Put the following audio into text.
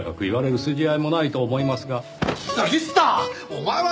お前は！